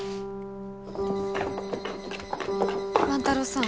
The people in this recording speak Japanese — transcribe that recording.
万太郎さん。